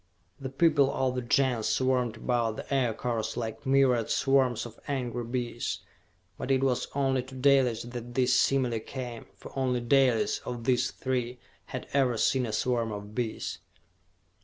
The people of the Gens swarmed about the Aircars like myriad swarms of angry bees, but it was only to Dalis that this simile came, for only Dalis, of these three, had ever seen a swarm of bees.